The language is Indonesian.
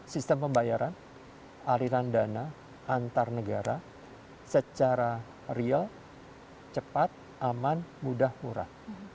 sistem pembayaran aliran dana antar negara secara real cepat aman mudah murah